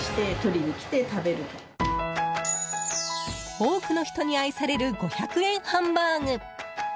多くの人に愛される５００円ハンバーグ。